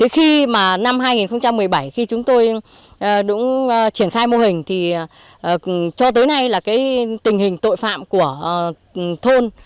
khi năm hai nghìn một mươi bảy chúng tôi triển khai mô hình thì cho tới nay là tình hình tội phạm của thôn